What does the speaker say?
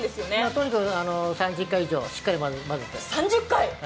とにかく３０回以上、しっかり混ぜて。